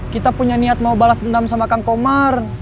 kita punya niat mau balas dendam sama kang komar